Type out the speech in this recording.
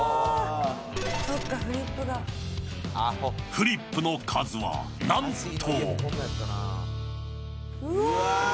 フリップの数はなんと。